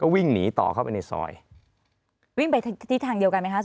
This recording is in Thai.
วิ่งไปที่ทางเดียวกันไหมฮะ